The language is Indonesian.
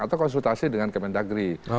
atau konsultasi dengan kementdagri